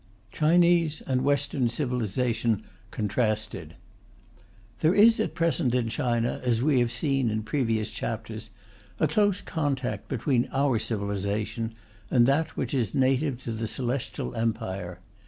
] CHAPTER XI CHINESE AND WESTERN CIVILIZATION CONTRASTED There is at present in China, as we have seen in previous chapters, a close contact between our civilization and that which is native to the Celestial Empire.